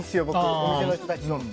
お店の人たちと。